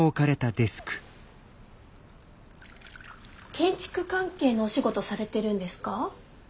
建築関係のお仕事されてるんですか？